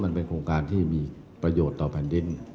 มันเป็นโครงการที่มีประโยชน์ต่อแผ่นดิน